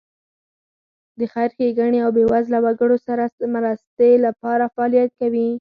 د خیر ښېګڼې او بېوزله وګړو سره مرستې لپاره فعالیت کوي.